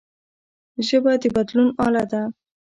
ژبه د بدلون اله ده